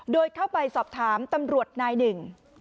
โดยเข้าไปสอบถามตำรวจนายหนึ่ง